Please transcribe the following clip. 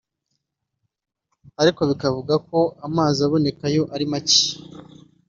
ariko bikavugwa ko amazi aboneka yo ari make